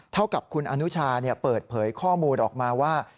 เท่ากับคุณอนุชาเปิดเผยข้อมูลออกมาว่า